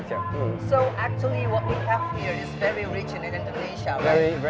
kita punya sebuah cerita